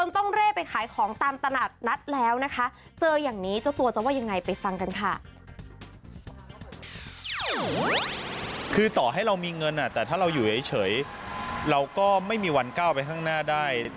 แต่ถ้าเราอยู่เฉยเราก็ไม่มีวันก้าวไปข้างหน้าได้